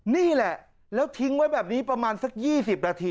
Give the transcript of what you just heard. นี่แหละแล้วทิ้งไว้แบบนี้ประมาณสัก๒๐นาที